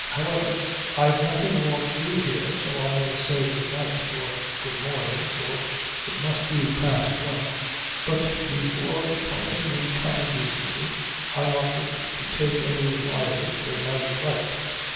However, I've nothing more to do here, so I'll say good night or good morning, for it must be past one." But before departing, in common decency, I offered to take any wires they might write.